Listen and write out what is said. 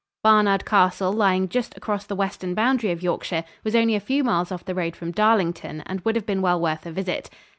Barnard Castle, lying just across the western boundary of Yorkshire, was only a few miles off the road from Darlington, and would have been well worth a visit.